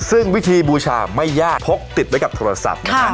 ซึ่งวิธีบูชาไม่ยากพกติดไว้กับโทรศัพท์นะฮะ